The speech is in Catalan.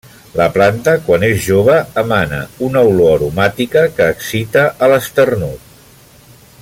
La planta quan és jove emana una olor aromàtica que excita a l'esternut.